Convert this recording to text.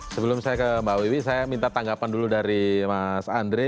sebelum saya ke mbak wiwi saya minta tanggapan dulu dari mas andre